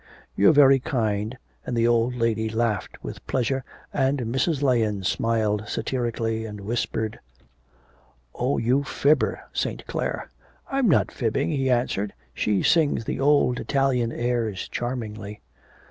'You're very kind,' and the old lady laughed with pleasure, and Mrs. Lahens smiled satirically, and whispered: 'Oh, you fibber, St. Clare.' 'I'm not fibbing,' he answered; 'she sings the old Italian airs charmingly.'